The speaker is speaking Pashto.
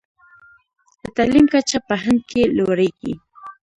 د تعلیم کچه په هند کې لوړیږي.